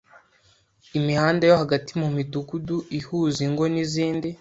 Imihanda yo hagati mu midugudu ihuza ingo n’ izindi.